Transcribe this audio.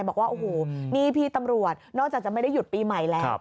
บอกว่าโอ้โหนี่พี่ตำรวจนอกจากจะไม่ได้หยุดปีใหม่แล้ว